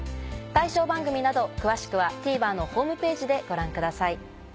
対象番組など詳しくはＴＶｅｒのホームページでご覧ください。